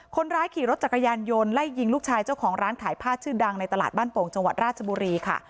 คนร้ายขี่รถจักรยานยนต์ไล่ยิงลูกชายเจ้าของร้านขายผ้าชื่อดังในตลาดบ้านโป่งจังหวัดราชบุรีค่ะ